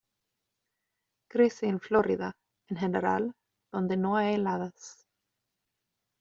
Crece en Florida, en general, donde no hay heladas.